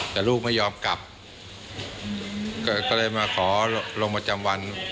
แต่ลูกไม่ยอมกลับก็เลยมาขอลงประจำวัน